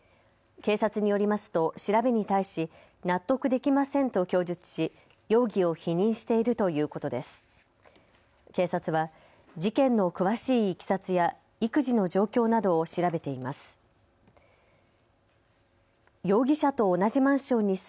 警察によりますと調べに対し納得できませんと供述し容疑を否認しているということです。